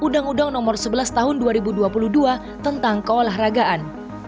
undang undang nomor sebelas tahun dua ribu dua puluh dua tentang keolahragaan